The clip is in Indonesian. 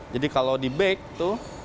kalau di bake tuh